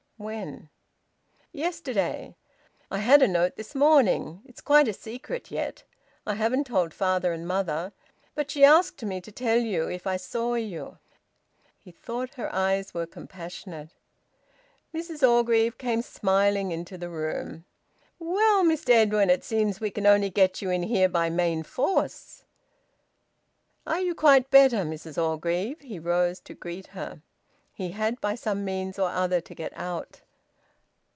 "When?" "Yesterday. I had a note this morning. It's quite a secret yet. I haven't told father and mother. But she asked me to tell you if I saw you." He thought her eyes were compassionate. Mrs Orgreave came smiling into the room. "Well, Mr Edwin, it seems we can only get you in here by main force." "Are you quite better, Mrs Orgreave?" he rose to greet her. He had by some means or other to get out.